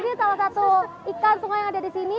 ini salah satu ikan sungai yang ada di sini